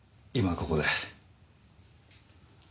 今ここで。